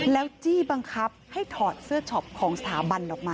แล้วจี้บังคับให้ถอดเสื้อช็อปของสถาบันออกมา